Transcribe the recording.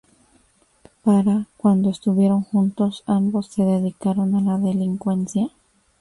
Para cuando estuvieron juntos, ambos se dedicaron a la delincuencia.